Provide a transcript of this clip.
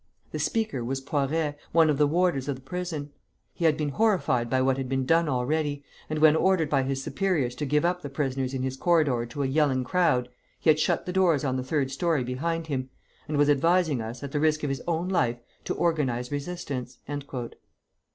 The speaker was Poiret, one of the warders of the prison. He had been horrified by what had been done already, and when ordered by his superiors to give up the prisoners in his corridor to a yelling crowd, he had shut the doors on the third story behind him, and was advising us, at the risk of his own life, to organize resistance."